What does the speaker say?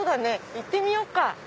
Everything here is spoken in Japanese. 行ってみよっか。